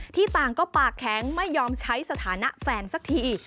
ต่างก็ปากแข็งไม่ยอมใช้สถานะแฟนสักที